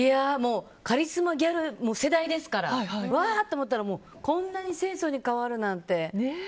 カリスマギャルの世代ですからわー！と思ったらこんなに清楚に変わるなんて。